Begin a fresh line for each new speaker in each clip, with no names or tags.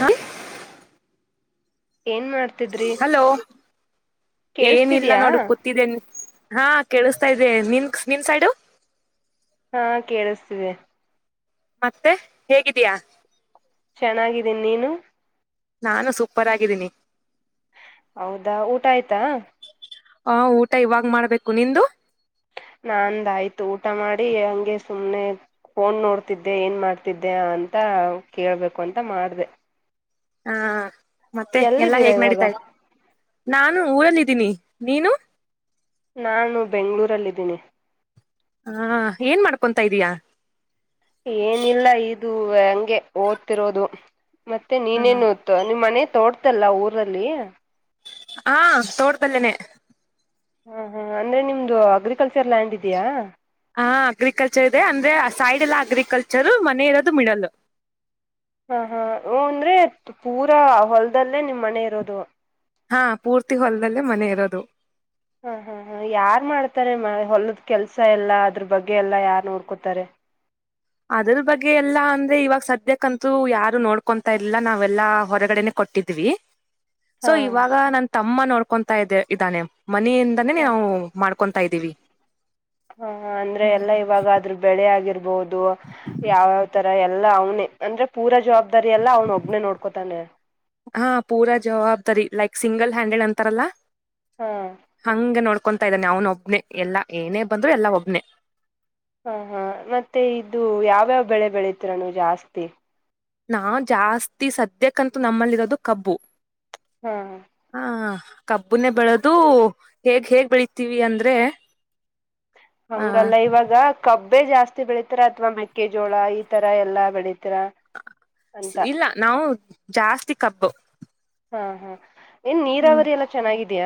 ಹಾ [inaudible]
ಏನ್ ಮಾಡ್ [inaudible]
ಹಲೋ ಏನಿಲ್ಲ
ಕೇಳಿಸ್ತಿದಯಾ
ನೋಡು ಕುತ್ [inaudible] ನಿಂತಿದೆ ನೀನ್ ಹಾ ಕೇಳಸ್ತ ಇದೆ ನಿಂಗಸ್ ನಿಮ್ಮ ಸೈಡು. [inaudible]
ಹಾ ಕೇಳಿಸ್ತಿದೆ. [inaudible]
ಮತ್ತೆ ಹೇಗಿದಿಯಾ? [inaudible]
ಚೆನ್ನಾಗಿದಿನಿ ನೀನು? [inaudible]
ನಾನು ಸೂಪರ್ ಆಗಿದಿನಿ. [inaudible]
ಹೌದಾ ಊಟ ಆಯ್ತಾ? [inaudible]
ಆ ಊಟ ಇವಾಗ್ ಮಾಡ್ಬೇಕು ನಿಂದು? [inaudible]
ನಾಂದ ಆಯ್ತು ಊಟ ಮಾಡಿ ಹಂಗೆ ಸುಮ್ನೆ [inaudible] ಫೋನ್ ನೋಡ್ತಿದ್ದೆ ಏನ್ ಮಾಡ್ತಿದ್ದೆ ಅಂತ ಕೇಳ್ಬೇಕು ಅಂತ ಮಾಡದೇ [inaudible]
ಹಾ ಮತ್ತೆ ಎಲ್ಲಾ
ಎಲ್ಲಿದ್ದೀರಾ
ಹೇಗ
ಇವಾಗ
ನಡೀತೈತ ಇದೆ ನಾನು ಊರಲ್ಲಿದ್ದೀನಿ. ನೀನು? [inaudible]
ನಾನು ಬೆಂಗಳೂರಲ್ಲಿ ಇದಿನಿ. [inaudible]
ಹಾ ಏನ್ ಮಾಡ್ಕೊಂತ ಇದೀಯಾ? [inaudible]
ಏನಿಲ್ಲ ಇದು ಹಂಗೆ ಓದತ್ತಿರೋದು ಮತ್ತೆ ನೀನ ಏನ್ ಓದ [inaudible] ದ ನಿಮ್ಮ ಮನೆ ತೋಟದಲ್ಲ ಊರಲ್ಲಿ? [inaudible]
ಹಾ ತೋಡ್ದಲ್ಲೇನೆ. [inaudible]
ಹಾ ಹಾ ಅಂದ್ರೆ ನಿಮ್ದು ಅಗ್ರಿಕಲ್ಚರ್ ಲ್ಯಾಂಡ್ ಇದಿಯಾ? [inaudible]
ಹಾ ಅಗ್ರಿಕಲ್ಚರ್ ಇದೆ ಅಂದ್ರೆ ಅ ಸೈಡ್ ಎಲ್ಲಾ ಅಗ್ರಿಕಲ್ಚರು ಮನೆ ಇರದು ಮಿಡಲ್. [inaudible]
ಹ ಹಾ ಓ ಅಂದರೆ ಪೂರಾ ಹೊಲದಲ್ಲೇ ನಿಮ್ಮನೆ ಇರೋದು? [inaudible]
ಹಾ ಪೂರ್ತಿ ಹೊಲದಲ್ಲೇ ಮನೆ ಇರೋದು. [inaudible]
ಹ ಹ ಹ ಯಾರ್ ಮಾಡ್ತಾರೆ ಮಾ ಹೊಲದ ಕೆಲಸ ಎಲ್ಲಾ ಅದರ ಬಗ್ಗೆ ಎಲ್ಲಾ ಯಾರ್ ನೋಡ್ಕೋತಾರೆ. [inaudible]
ಅದರ ಬಗ್ಗೆ ಎಲ್ಲಾ ಅಂದ್ರೆ ಇವಾಗ ಸದ್ಯಕ್ಕಂತು ಯಾರು ನೋಡ್ಕೊಂತಿಲ್ಲ ನಾವೆಲ್ಲ ಹೊರಗಡೆನೆ [inaudible] ಕೊಟ್ಟಿದ್ವಿ. [inaudible] ಸೊ
ಹಾ
ಇವಾಗ ನನ್ನ ತಮ್ಮ ನೋಡ್ಕೊಂತಾ ಇದೆ ಇದ್ದಾನೆ ಮನೆಯಿಂದಾನೇ
ಹ
ನಾವು [inaudible] ಮಾಡ್ಕೊಂತಾ ಇದ್ದೀವಿ. [inaudible]
ಹ ಅಂದ್ರೆ ಎಲ್ಲಾ ಇವಾಗಾ ಅದರ ಬೆಳೆ ಆಗಿರ್ಬಹುದು. [inaudible] ಯಾವ ಯಾವ ತರ ಎಲ್ಲಾ ಅವನೇ ಅಂದ್ರೆ ಪೂರ ಜವಾಬ್ದಾರಿ ಎಲ್ಲಾ ಅವನ ಒಬ್ನೇ ನೋಡ್ಕೊತಾನೆ. [inaudible]
ಹಾ ಪೂರ ಜವಾಬ್ದಾರಿ ಲೈಕ್ ಸಿಂಗಲ್ ಹ್ಯಾಂಡೆಡ್ ಅಂತಾರಲ್ಲಾ? [inaudible]
ಹಾ [inaudible]
ಹಂಗ ನೋಕೊಂತಾ ಇದ್ದಾನೆ ಅವನ ಒಬ್ನನೆ ಎಲ್ಲಾ ಏನೇ ಬಂದ್ರು ಎಲ್ಲಾ ಒಬ್ನನೆ. [inaudible]
ಹ ಹಾ ಮತ್ತೆ ಇದು ಯಾವ್ಯಾವ ಬೆಳೆ ಬೆಳಿತೀರ ನೀವ್ ಜಾಸ್ತಿ. [inaudible]
ನಾ ಜಾಸ್ತಿ ಸದ್ಯಕ್ಕಂತೂ ನಮ್ಮಲ್ಲಿ ಇರೋದು ಕಬ್ಬು.
ಹ್ಮ್.
ಹಾ ಕಬ್ಬುನೇ ಬೆಳದು ಹೇಗ್ ಹೇಗ್ ಬೆಳತಿವಿ ಅಂದ್ರೆ, [inaudible]
ಹಂಗಲ್ಲ ಇವಾಗ. ಕಬ್ಬೆ ಜಾಸ್ತಿ ಬೆಳಿತರ ಅಥವಾ ಮೆಕ್ಕೆಜೋಳ ಈ ತರ ಎಲ್ಲಾ ಬೆಳಿತೀರಾ.
ಸ್
ಅಂತ
ಇಲ್ಲ ನಾವು ಜಾಸ್ತಿ ಕಬ್ಬು.
ಹಾ ಹಾ ಏನ್
ಹ್ಮ
ನೀರಾವರಿ ಎಲ್ಲಾ ಚೆನ್ನಾಗಿದಿಯ.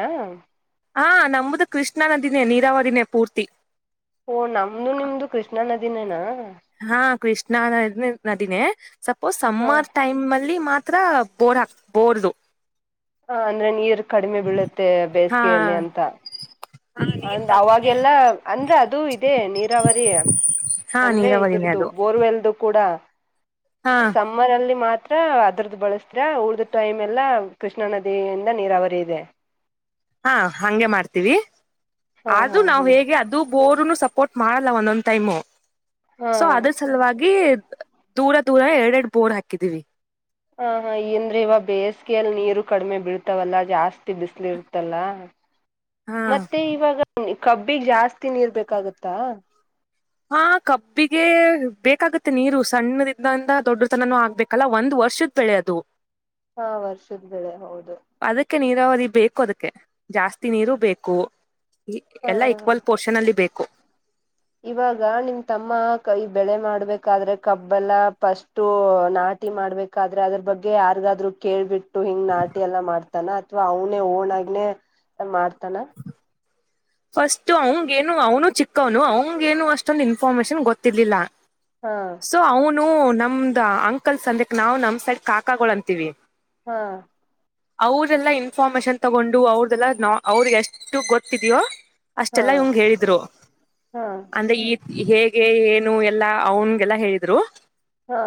ಹಾ ನಂಬದ ಕೃಷ್ಣನದಿನೇ ನೀರಾವಾರಿನೇ ಪೂರ್ತಿ.
ಓ ನಮ್ದು ನಿಮ್ದು ಕೃಷ್ಣಾ ನದಿನೆನಾ.
ಹಾ ಕೃಷ್ಣಾ ನದ ನದಿನೇ. ಸಪೋಸ್
ಹ
ಸಮ್ಮರ್ ಟೈಮ್ ಅಲ್ಲಿ ಮಾತ್ ತ್ರ ಬೋರ್ ಹಾಕ್ ಬೋರ್ದು
ಹ ಅಂದ್ರೆ ನೀರ್ ಕಡಿಮೆ ಬೀಳುತ್ತೆ
ಹಾ
ಬೇಸಿಗೆಯಲ್ಲಿ ಅಂತ. ಅ ಅವಾಗೆಲ್ಲ ಅಂದ್ರೆ ಅದು ಇದೆ ನೀರಾವರಿ.
ಹಾ
ಅಂದ್ರೆ
ನೀರಾವರಿನೇ
ಇದ್ರದು
ಅದು
ಬೋರ್ವೆಲ್ದು ಕೂಡ
ಹಾ
ಸಂ ಮ್ಮರ್ ಅಲ್ಲಿ ಮಾತ್ರ ಅದರದ್ದ ಬಳಸ್ತೀರಾ ಉಳ್ದ ಟೈಮ್ ಎಲ್ಲ ಕೃಷ್ಣಾ ನದಿಯಿಂದ ನೀರಾವರಿ ಇದೆ.
ಹಾ ಹಂಗೆ ಮಾಡ್ತೀವಿ
ಹಾ
ಆದೂ
ಹಾ
ನಾವು
ಹಾ
ಹೇಗೆ ಅ ದು ಬೋರ್ನು ಸಪೋರ್ಟ್ ಮಾಡಲ್ಲ ಒಂದೊಂದು ಟೈಮ್.
ಹಾ
ಸೊ ಅದ
ಹ
ಸಲುವಾಗಿ ದೂರ ದೂರ ಎರಡ್ ಎರಡ್ ಬೋರ್ ಹಾಕಿದೀವಿ.
ಹ ಹ ಏಂದ್ರೆ ಇವ ಬೇಸಿಗೆಯಲ್ಲಿ ನೀರು ಕಡಿಮೆ ಬಿಡ್ತಾವಲ್ಲಾ ಜಾಸ್ತಿ ಬಿಸ್ಲ ಇರ್ತ್ತಲ್ಲಾ.
ಹಾ
ಮತ್ತೆ ಇವಾಗ ಕಬ್ಬಿಗ್ ಜಾಸ್ತಿ ನೀರ್ ಬೇಕಾಗತ್ತಾ.
ಹಾ ಕಬ್ಬಿಗೆ ಬೇಕಾಗುತ್ತೆ ನೀರು ಸಣ್ಣದಿಂದಿಂದ ದೊಡ್ಡ ತನನೂ ಆಗ್ಬೇಕಲ್ಲ. ಒಂದ ವರ್ಷ ತೆಳೆದು
ಹಾ ವರ್ಷದ ಬೆಳೆ ಹೌದು.
ಅದಕ್ಕೆ ನೀರಾವರಿ ಬೇಕು. ಅದಕ್ಕೆ ಜಾಸ್ತಿ ನೀರು ಬೇಕು. ಎಲ್ಲಾ
ಹಾ
ಈಕ್ವಲ್ ಪೋರ್ಷನ್ ಅಲ್ಲಿ ಬೇಕು.
ಇವಾಗ ನಿಮ ತಮ್ಮ ಕೈ ಬೆಳೆ ಮಾಡ್ಬೇಕಾದ್ರೆ ಕಬ್ಬಲ್ಲ ಫಸ್ಟು ನಾ ಟಿ ಮಾಡ್ಬೇಕಾದ್ರೆ ಅದ್ರ ಬಗ್ಗೆ ಯಾರಿಗಾದ್ರು ಕೇಳ್ಬಿಟ್ಟು ಹಿಂಗ್ ನಾಟಿ ಎಲ್ಲಾ ಮಾಡ್ತಾನ. ಅಥವಾ ಅವನೇ ಹ ಓಣಗನೇ ಮಾಡ್ತಾನ.
[inaudible] ಫಸ್ಟ್ ಅವಂಗ ಏನು ಅವನು ಚಿಕ್ಕವನು ಅವಂಗೇನು ಅಷ್ಟೊಂದು ಇನ್ಫಾರ್ಮೇಶನ್ ಗೊತ್ತಿರ್ಲಿಲ್ಲ.
ಹಾ.
ಸೊ ಅವನು ನಮ್ದ ಅಂಕಲ್ಸ್ ಅಂದಕ್ ನಾವವು ನಮ ಸೈಡ್ ಕಾಕಾಗಳು ಅಂತೀವಿ.
ಹಾ.
ಅವ್ರ ಎಲ್ಲಾ ಇನ್ಫಾರ್ಮೇಶನ್ ತಗೊಂಡು, ಅವ್ರದೆಲ್ಲ ನ ಅವ್ರಿಗೆ ಎಷ್ಟು ಗೊತ್ತಿದ್ಯೋ
ಹಾ
ಅಷ್ಟೆಲ್ಲಾ ಇವಂಗ ಹೇಳಿದ್ರು.
ಹಾ
ಅಂದ್ರೆ ಈ ಹೇಗೆ ಏನು ಎಲ್ಲಾ ಅವನ್ಗೆಲ್ಲ ಹೇಳಿದ್ರು.
ಹಾ.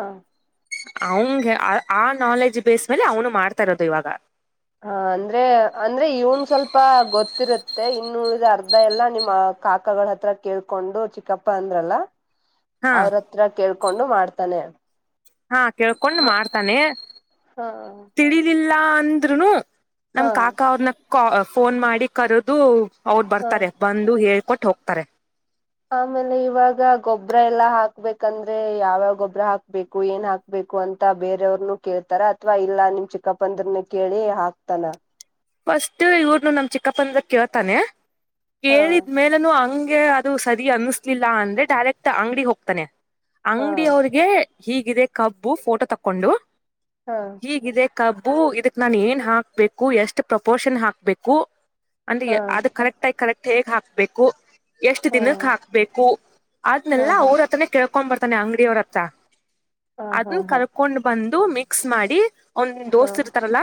ಅವನ್ಗೆ ಆ ಆ ನಾಲೆಜ್ ಬೇಸ್ ಮೇಲೆ ಅವನು ಮಾಡ್ತಾ ಇರೋದ ಇವಾಗ.
ಹಾ ಅಂದ್ರೆ ಅಂದ್ರೆ ಇವನ್ ಸ್ವಲ್ಪ ಗೊತ್ತಿರುತ್ತೆ ಇನ್ನುಡಿದ ಅರ್ಧ ಎಲ್ಲಾ ನಿಮ್ಮ್ ಕಾಕಗಳ ಹತ್ರ ಕೇಳ್ಕೊಂಡು, ಚಿಕ್ಕಪ್ಪ ಅಂದ್ರಲ್ಲ.
[inaudible]
ಅವ್ರತ್ರ ಕೇಳ್ಕೊಂಡು ಮಾಡ್ತಾನೆ.
ಹಾ ಕೇಳ್ಕೊಂಡ್
ಮ
ಮಾಡ್ತಾನೆ.
ಹಾ
ತಿಳಿಲಿಲ್ಲಾ ಅಂದ್ರುನು, ನಮ್
ಹಾ
ಕಾಕಾ ಅವ್ರನ ಕಾ ಫೋನ್ ಮಾಡಿ ಕರೆದು ಅವರು
ಹಾ
ಬರ್ತಾರೆ. ಬಂದು ಹೇಳ್ಕೊಟ್ಟ ಹೋಗ್ತಾರೆ.
ಆಮೇಲೆ ಇವಾಗ ಗೊಬ್ಬ್ರ ಎಲ್ಲಾ ಹಾಕ್ಬೇಕಂದ್ರೆ ಯಾವ್ಯಾವ ಗೊಬ್ಬ್ರ ಹಾಕ್ಬೇಕು ಏನ್ ಹಾಕ್ ಬೇಕು ಅಂತ ಬೇರೆಯವ್ರನು ಕೇಳ್ತಾರ ಅಥವಾ ಇಲ್ಲಾ ನಿಮ್ ಚಿಕ್ಕಪ್ಪ ಅಂದ್ರನ ಕೇಳಿ ಹಾಕ್ತಾನ.
ಫಸ್ಟ್ ಇವರುನು ನಮ ಚಿಕ್ಕಪ್ಪನ ಕೇಳ್ತಾನೆ
ಹಾ
ಕೇಳಿದ್ಮೇಲ ಇಲ್ಲಾನ ಹಂಗೆ ಅದು ಸರಿ ಅನ್ನಿಸಲಿಲ್ಲ ಅಂದ್ರೆ ಡೈರೆಕ್ಟ್ ಅಂಗಡಿಗ ಹೋಗ್ತಾನೆ.
ಹಾ
ಅಂಗಡಿಯ ಅವ್ರಿಗೆ ಹೀಗಿದೆ ಕಬ್ಬು ಫೋಟೋ ತಕ್ಕೊಂಡು.
ಹ.
ಹೀಗಿದೆ ಕಬ್ಬು ಇದಕ್ ನಾನ ಏನ್ ಹಾಕ್ಬೇಕು ಎಷ್ಟ್ ಪ್ರಪೋರ್ಷನ್ ಹಾಕ್ಬೇಕು. ಅಂದ್ರೆ
ಹಾ
ಅದು ಕರೆಕ್ಟ್ ಆಗಿ ಕರೆಕ್ಟ್ ಹೇಗ್ ಹಾಕ್ಬೇಕು. ಎಷ್ಟ್
ಹಾ
ದಿನಕ್ಕ ಹಾಕ್ಬೇಕು
ಹಾ
ಅದನೆೆಲ್ಲಾ
ಹಾ
ಅವ್ರ ಹತ್ರಾನೇ ಕೇ ಕರ್ಕೊಂಡ್ ಬರ್ತಾನೆ ಅಂಗಡಿಯವರತ್ರ
ಹಾ ಹಾ
ಅದನ್ನ ಕರ್ಕೊಂಡ್ ಬಂದು ಮಿಕ್ಸ್ ಮಾಡಿ. ಅವನ್
ಹಾ
ದೋಸ್ ಇರ್ತಾರಲ್ಲ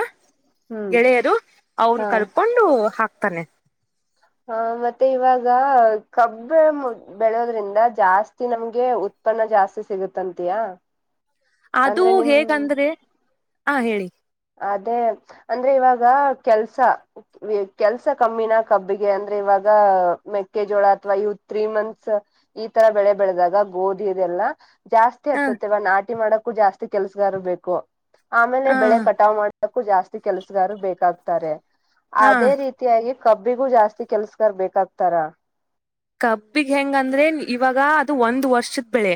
ಹ್ಮ್
ಗೆಳೆಯರು ಅವ್ರ್ನ
ಹಾ
ಕರ್ಕೊಂಡು ಹಾಕ್ತಾನೆ.
ಹಾ ಮತ್ತೆ ಇವಾಗ ಕಬ್ಬ ಮು ಬೆಳೋದ್ರಿಂದ ಜಾಸ್ತಿ ನಮ್ಗೆ ಉತ್ಪನ್ನ ಜಾಸ್ತಿ ಸಿಗತ್ತಂತಿಯಾ.
ಅದು ಹೇಗಂದ್ರೆ ಆ ಹೇಳಿ.
ಅದೇ ಅಂದ್ರೆ ಇವಾಗ ಕೆಲ್ಸ. ಕೆಲ್ಸ ಕಮ್ಮಿನ ಕಬ್ಬಿಗೆ ಅಂದ್ರೆ ಇವಾಗ ಮೆಕ್ಕೆಜೋಳ ಅಥವಾ ಇವ ತ್ರೀ ಮಂತ್ಸ್ ಈ ತರ ಬೆಳೆ ಬೆಳೆದಾಗ ಗೋಧಿ ಇದೆಲ್ಲ. ಜಾಸ್ತಿ
ಹ
ಹತ್ತತೆ ಒ ನಾಟಿ ಮಾಡಕ್ಕೂ ಜಾಸ್ತಿ ಕೆಲ್ಸಗಾರ ಬೇಕು ಆಮೇಲೆ
ಹ
ಬೆಳೆ ಕಟ್ಟ ಮಾಡಕ್ಕು ಜಾಸ್ತಿ ಕೆಲಸಗಾರ ಬೇಕಾಗ್ತಾರೆ
ಹ
ಅದೇ ರೀ ತಿಯಾಗಿ ಕಬ್ಬಿಗೂ ಜಾಸ್ತಿ ಕೆಲ್ಸಗಾರ್ ಬೇಕಾಗ್ತಾರ.
ಕಬ್ಬಿಗ್ ಹೆಂಗಂದ್ರೆ ಇವಾಗ ಅದು ಒಂದ್ ವರ್ಷದ್ ಬೆಳೆ.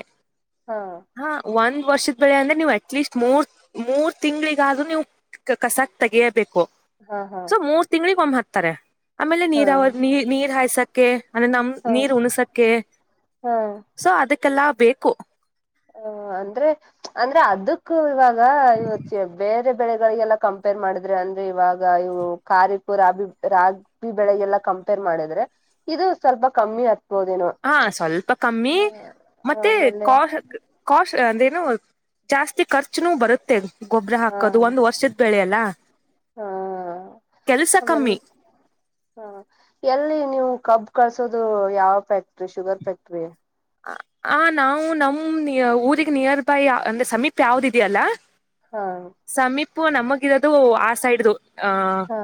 ಹಾ.
ಹಾ ಒಂದ್ ವರ್ಷದ ಬೆಳೆ ಅಂದ್ರೆ ನೀವು್ ಅಟ್ಲೀಸ್ಟ್ ಮೂರ್ ಮೂರ್ ತಿಂಗಳಿಗಾದ್ರೂ ನೀವು. ಕಸಾಕ್ ತೆೆಗೆಯಬೇಕು.
ಹಾ ಹಾ
ಸೊ ಮೂರ್ ತಿಂಗಳಗ್ ಒಮ್ಮ್ ಹತ್ತಾರೆ ಆಮೇಲೆ ನೀರ್ ನೀ ನೀರ್ ಹಾಯ್ಸಕ್ಕೆ. ಅಂದೇ ನಮ
ಹಾ ಹಾ
ನೀರ್ ಉಣಸಕೆ
ಹಾ
ಸೊ ಅದಕ್ಕೆಲ್ಲಾ ಬೇಕು.
ಹ ಅಂದ್ರೆ ಅಂದ್ರೆ ಅದಕ್ಕೂ ಇವಾಗ ಇವತ್ತು ಬೇರೆ ಬೆಳೆಗಳಿಗೆಲ್ಲ. ಕಂಪೇರ್ ಮಾಡಿದ್ರೆ ಅಂದ್ರೆ ಇವಾಗ ಇವು ಕಾರಿಪುರ ಅಭಿ ರಾ ಬೆಳೆಗೆಲ್ಲ ಕಂಪೇರ್ ಮಾಡಿದ್ರೆ ಇದು ಸ್ವಲ್ಪ ಕಮ್ಮಿ ಆಗ್ಬೋದೇನೋ.
ಹಾ ಸ್ವಲ್ಪ ಕಮ್ಮಿ ಮತ್ತೆ
ಆಮೇಲೆ
ಕಾ ಕಾಸ್ಟ್ ಅಂದ್ರೆನು ಜಾಸ್ತಿ ಖರ್ಚುನುೂ ಬರುತ್ತೆ. ಗೊಬ್ಬ್ರ
ಹಾ
ಹಾಕೋದು ಒಂದ ವರ್ಷದ ಬೆಳೆಯಲ್ಲ
ಹಾ
ಕೆಲ್ಸ
ಆಮೇಲೆ
ಕಮ್ಮಿ.
ಹಾ ಎಲ್ಲಿ ನೀವು ಕಬ್ ಕಳ್ಸೋದು ಯಾವ ಫ್ಯಾಕ್ಟ್ರಿ ಶುಗರ್ ಫ್ಯಾಕ್ಟ್ರಿ.
ಆ ನಾವು ನಮ್ ಊರಿಗೆ ನಿಯರ್ ಬೈ ಅಂದ್ರೆ ಸಮೀಪ ಯಾವ್ದಿದ್ಯಲ್ಲಾ.
ಹಾ.
ಸಮೀಪ ನಮಗಿರೋದು ಆ ಸೈಡ್ದು ಅ
ಹಾ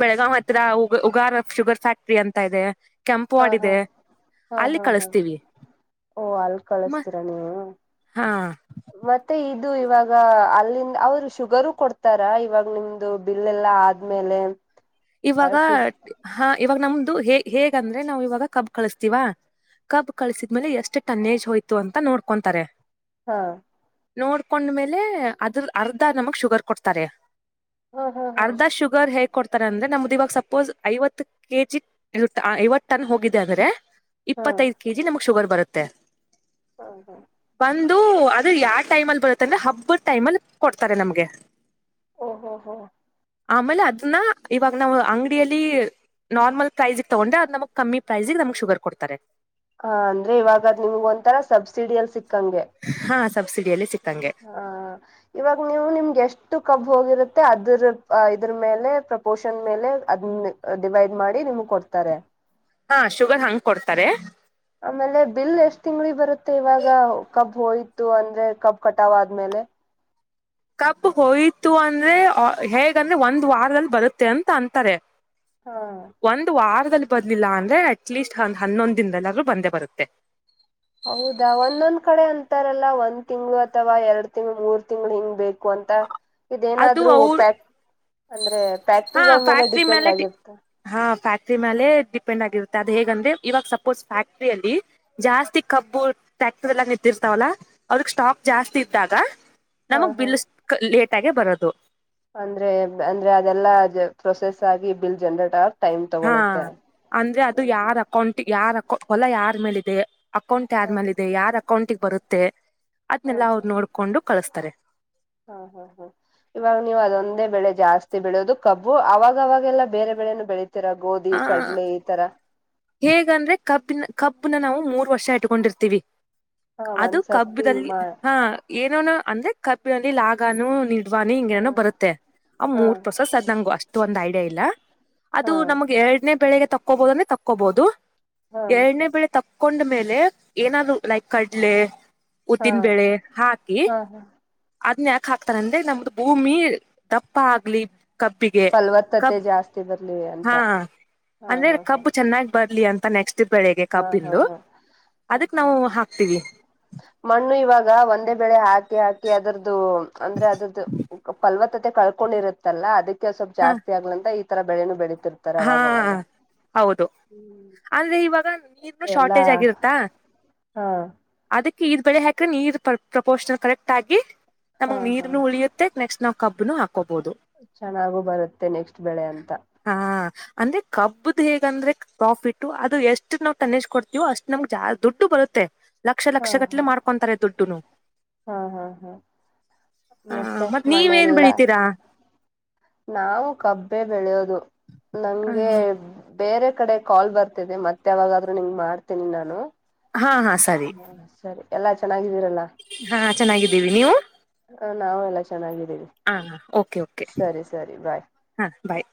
ಬೆಳಗಾವ ಹ ಹತ್ರಾ ಉಗಾರ ಶುಗರ್ ಫ್ಯಾಕ್ಟ್ರಿ ಅಂತ ಇದೆ.
ಹಾ
ಕೆಂಪುವಾಡ
ಹಾ
ಇದೆ
ಹಾ
ಅಲ್ಲಿ
ಹಾ ಹಾ
ಕಳಸ್ತೀವಿ.
ಓ ಅಲ್ಲಿ ಕಳಸತೀರಾ ನೀವು.
ಹಾ
ಮತ್ತೆ ಇದು ಇವಾಗ ಅಲ್ಲಿಂದ ಅವರು ಶುಗರು ಕೊಡ್ತಾರ ಇವಾಗ ನಿಮ್ದು ಬಿಲ್ ಎಲ್ಲಾ ಆದ ಮೇಲೆ.
ಇವಾಗ. ಹಾ ಇವಾಗ ನಮ್ದು ಹೇ ಹೇಗಂದ್ರೆ ನಾವು ಇವಾಗ ಕಬ್ ಕಳಸ್ತೀವಾ. ಕಬ್ ಕಳಿಸಿದ್ಮೇಲೆ ಎಷ್ಟು ಟನ್ನೇಜ್ ಹೋಯ್ತು ಅಂತ ನೋಡ್ಕೊಂತಾರೆ.
ಹಾ
ನೋಡ್ಕೊಂಡ್ಮೇಲೆ ಅದ್ರ ಅರ್ಧ ನಮಗ್ ಶುಗರ್ ಕೊಡ್ತಾರೆ
ಹಾ ಹಾ ಹಾ
ಅರ್ಧ ಶುಗರ್ ಹೇಗ್ ಕೊಡ್ತ ತರ ಅಂದ್ರೆ ನಮ್ದ ಇವಾಗ ಸಪೋಸ್ ಐವತ್ತು ಕೆ ಜಿ ಐವತ್ತು ಟನ್ ಹೋಗಿದೆ ಅಂದ್ರೆ
ಹಾ
ಇಪ್ಪತ್ತೈದು ಕೆ ಜಿ ನಮ್ಗ್ ಶುಗರ್ ಬರುತ್ತೆ
ಹ ಹಾ
ಬಂದು ಅದು ಯಾವ ಟೈಮ ಅಲ್ಲಿ ಬರುತ್ತೆ ಅಂದ್ರೆ ಹಬ್ಬದ ಟೈಮಲ್ಲಿ ಕೊಡ್ತಾರೆ ನಮ್ಗೆ
ಓಹೋ ಹೋ
ಆಮೇಲೆ ಅದನ್ನ ಇವಾಗ ನಾವು ಅಂಗಡಿಯಲ್ಲಿ ನಾರ್ಮಲ್ ಪ್ರೈಸ್ಗ್ ತಗೊಂಡ್ರೆ ಅದ್ ನಮಗೆ ಕಮ್ಮಿ ಪ್ರೈಸ್ಗೆ ನಮ್ಗ್ ಶುಗರ್ ಕೊಡ್ತಾರೆ
ಹ ಅಂದ್ರೆ ಇವಾಗಾದ್ ನಿಮ್ಗ್ ಒಂತರಾ ಸಬ್ಸಿಡಿ ಅಲ್ಲಿ ಸಿಕ್ಕಂಗೆ
ಹಾ ಸಬ್ಸಿಡಿಯಲ್ಲಿ ಸಿಕ್ಕಂಗೆ
ಹ ಇವಾಗ ನೀವು ನಿಮ್ಗೆ ಎಷ್ಟು ಕಬ್ ಹೋಗಿರತ್ತೆ ಅದ್ರ ಇದ್ರ ಮೇಲೆ ಪ್ರಪೋಷನ್ ಮೇಲೆ ಅದ ಡಿವೈಡ್ ಮಾಡಿ ನಿಮ್ಗೆ ಕೊಡ್ತಾರೆ
ಹಾ ಶುಗರ್ ಹಂಗ್ ಕೊಡ್ತಾರೆ
ಆಮೇಲೆ ಬಿಲ್ ಎಷ್ಟ್ ತಿಂಗಳಿಗೆ ಬರುತ್ತೆ ಇವಾಗ ಕಬ್ ಹೋಯ್ತು ಅಂದ್ರೆ ಕಬ್ ಕಟಾವ ಆದ್ಮೇಲೆ
ಕಬ್ ಹೋಯತು ಅಂದ್ರೆ ಹೇಗಂದ್ರೆ ಒಂದ್ ವಾರದಲ್ಲಿ ಬರುತ್ತೆ ಅಂತ ಅಂತಾರೆ
ಹಾ
ಒಂದ್ ವಾರದಲ್ಲಿ ಬರ್ಲಿಲ್ಲ ಅಂದ್ರೆ ಅಟ್ಲೀಸ್ಟ್ ಒಂದು ಹನ್ನೊಂದ ದಿನದಲ್ಲಿ ಆದ್ರೂ ಬಂದೇ ಬರುತ್ತೆ
ಹೌದಾ ಒಂದೊಂದ್ ಕಡೆ ಅಂತಾರಲ್ಲ ಒಂದ್ ತಿಂಗಳು ಅಥವಾ ಎರಡ್ ತಿಂಗಳು ಮೂರ್ ತಿಂಗಳು ಹಿಂಗ್ ಬೇಕು ಅಂತ
ಅದು
ಇದೇನಾದ್ರೂ
ಅವ್ರ
ಪ್ಯಾಕ್ ಅಂದ್ರೆ
ಹಾ
ಫ್ಯಾಕ್ಟ್ರಿಗಳ ಮೇಲೆ
ಫ್ಯಾಕ್ಟ್ರಿ
ಡಿಪೆಂಡ್ ಆಗಿರುತ್ತಾ
ಹಾ ಫ್ಯಾಕ್ಟ್ರಿ ಮೇಾಲೆ ಡಿಪೆಂಡ್ ಆಗಿರುತ್ತೆ ಅದು ಹೇಗಂದ್ರೆ ಇವಾಗ ಸಪೋಸ್ ಫ್ಯಾಕ್ಟ್ರಿ ಅಲ್ಲಿ ಜಾಸ್ತಿ ಕಬ್ಬು ಫ್ಯಾಕ್ಟ್ರ ಎಲ್ಲ ನಿಂತಿರ್ತಾವಲ್ಲಾ ಅವ್ರಗ್ ಸ್ಟಾಕ್ ಜಾಸ್ತಿ ಇದ್ದಾಗ
ಹಾ
ನಮಗ್
ಹಾ
ಬಿಲ್ ಲೇಟ್ ಆಗೆ ಬರೋದು
ಅಂದ್ರೆ ಅಂದ್ರೆ ಅದೆಲ್ಲಾ ಪ್ರೊಸೆಸ್ ಆಗಿ ಬಿಲ್ ಜನ್ರೇಟ್ ಆ
ಹಾ ಅಂದ್ರೆ ಅದು
ಹ್ಮ್
ಯಾರ ಅಕೌಂಟ್ ಯಾರ್ ಅಕೌ ಹೊಲ ಯಾರ ಮೇಲೇ ಇದೆ ಅಕೌಂಟ್ ಯಾರ
ಹಾ
ಮೇಲೇ ಇದೆ ಯಾರ್ ಅಕೌಂಟಿಗೆ ಬರುತ್ತೆ
ಹಾ
ಅದ್ನೆಲ್ಲ ಅವ್ರು
ಹಾ
ನೋಡ್ಕೊಂಡು ಕಳಸ್ತಾರೆ
ಹಾ ಹಾ ಹಾ ಇವಾಗ ನೀವು ಅದೊಂದೇ ಬೆಳೆ ಜಾಸ್ತಿ ಬೆಳೆಯೋದು ಕಬ್ಬು ಅವವಾಗವಾಗೆಲ್ಲ ಬೇರೆ ಬೆಳೆನು ಬೆಳ ತರ ಗೋಧಿ
ಆ
ಕಡಲೆ ಈ ತರ
ಹೇಗಂದ್ರೆ ಕಬ್ಬಿನ ಕಬ್ಬನ ನಾವು ಮೂರ್ ವರ್ಷ ಇಟ್ಕೊಂಡಿರ್ತೀವಿ
ಹಾ
ಅದು
ಒಂದ್ಸರ್ತಿ
ಕಬ್ಬಲ್ಲಿ
ಮಾ
ಹಾ ಏನನು ಅಂದ್ರೆ ಕಬ್ಬಿನಲ್ಲಿ ಲಾಗಾನು ನಿ ವಾನಿ
ಹಾ
ನೆನಪ ಬರುತ್ತೆ ಆ
ಹಾ
ಮೂರ್ ಪ್ರೊಸೆಸ್ ಅದು ನಂಗು ಅಷ್ಟು ಒಂದ್ ಐಡಿಯಾ ಇಲ್ಲ ಅದು
ಹಾ
ನಮ್ಗ್ ಎರಡನೇ ಬೆಳೆಗೆ ತಕ್ಕೋಬಹುದು ಅಂದ್ರೆ ತಕ್ಕೋಬಹುದು
ಹಾ
ಎರಡನೇ ಬೆಳೆ ತಕ್ಕೊಂಡ್ಮೇಲೆ ಏನಾದ್ ಲೈಕ್ ಕಡ್ಲೆ
ಹಾ
ಉದ್ದಿನಬೇಳೆ ಹಾಕಿ
ಹಾ ಹಾ.
ಅದ್ನ್ ಯಾಕ ಹಾಕ್ತಾರ ಅಂದ್ರೆ ನಮ್ದು ಭೂಮಿ ದಪ್ಪ ಆಗ್ಲಿ ಕಬ್ಬಿಗೆ
ಫಲವತ್ತತೆ
ಕಬ್
ಜಾಸ್ತಿ ಬರ್ಲಿ ಅಂತ
ಹಾ
ಹಾ
ಅಂದ್ರೆ
ಹಾ ಹಾ
ಕಬ್ಬು ಚೆನ್ನಾಗ್ ಬರ್ಲಿ ಅಂತ ನೆಕ್ಸ್ಟ್ ಬಳೆಗೆ
ಹಾ ಹಾ
ಕಬ್ಬಿಂದು
ಹಾ ಹ್ಮ್
ಅದಕ್
ಹ್ಮ್
ನಾವು ಹಾಕ್ತಿವಿ
ಮಣ್ಣು ಇವಾಗ ಒಂದೇ ಬೆಳೆ ಹಾಕಿ ಹಾಕಿ ಅದರದ್ದು ಅಂದ್ರೆ ಅದ್ರದ್ದು ಪಲ್ವ ತತೆ ಕಳ್ಕೊಂಡಿರತ್ತಲ್ಲ ಅದಕ್ಕೆ ಸ್ವಲ್ಪ
ಹ
ಜಾಸ್ತಿ ಆಗ್ಲಂತ ಈ ತರ ಬೆಳೆನು ಬೆಳೀತಿರ
ಹಾ ಹೌದು. ಅಂದ್ರೆ ಇವಾಗ, ನಿರ್ನು
ಮತ್ತೆ ಎಲ್ಲಾ
ಶಾರ್ಟೇಜ್ ಆಗಿರುತ್ತಾ.
ಹಾ
ಅದಕ್ಕೆ ಇದ ಬೆಳೆ ಹಾಕ್ ನೀರ್ ಪ್ರ ಪ್ರಪೋರ್ಷನ್ ಕರೆಕ್ಟ್ ಆಗಿ
ಹಾ
ನಮಗ್
ಹಾ
ನೀರನು ಉಳಿಯು ತ್ತೆ ನೆಕ್ಟ್ ನಾವ ಕಬ್ಬನು ಹಾಕೋಬೌದು.
ಚೆನ್ನಾಗು ಬರುತ್ತೆ ನೆಕ್ಸ್ಟ್ ಬೆಳೆ ಅಂತ.
ಹಾ ಅಂದ್ರೆ ಕಬ್ಬದ ಹೇಗಂದ್ರೆ ಪ್ರಾಫಿಟ್ ಅದು ಎಷ್ಟು ನಾವ ಟನ್ನೇಜ್ ಕೊಡ್ತೀವೋ ಅಷ್ಟ್ ನಮ್ಗೆ ಜಾ ದುಡ್ಡು ಬರತ್ತೆ. ಲಕ್ಷ
ಹಾ
ಲಕ್ಷ
ಹಾ
ಗಟ್ಲೆ ಮಾಡ್ಕೊಂತಾರೆ ದುಡ್ಡುನು.
ಹಾ ಹಾ ಹಾ.
ಹಾ
ಮತ್ತೆ
ಮತ್ತ ನೀವೇನ್
ಮನೆಯಲ್ಲ
ಬೆಳಿತೀರಾ.
ನಾವು ಕಬ್ಬೆ ಬೆಳೆಯೋದು. ನಮ್ಗೆ, ಬೇರೆ ಕಡೆ ಕಾಲ್ ಬರ್ತಿದೆ ಮತ್ತ ಯಾವಾಗಾದ್ರೂ ನಿಂಗ ಮಾಡ್ತೀನಿ ನಾನು.
ಹಾ ಹಾ ಸ
ಹ್ಮ ಸರಿ ಎಲ್ಲಾ ಚೆನ್ನಾಗಿದ್ದೀರಲ್ಲ.
ಹಾ ಚೆನ್ನಾಗಿದ್ದೀವಿ ನೀವು.
ಹ ನಾವು ಎಲ್ಲಾ ಚೆನ್ನಾಗಿದ್ದೀವಿ.
ಹಾ ಹಾ ಓಕೆ ಓಕೆ
ಸರಿ ಸರಿ ಬಾಯ್.
ಹಾ ಬಾಯ್.